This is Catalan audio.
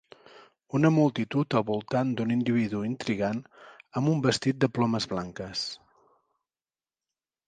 Una multitud al voltant d'un individu intrigant amb un vestit de plomes blanques.